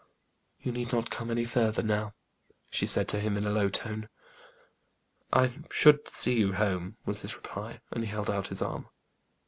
"You need not come any further now," she said to him in a low tone. "I should see you home," was his reply, and he held out his arm.